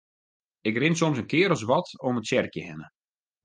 Ik rin soms in kear as wat om it tsjerkje hinne.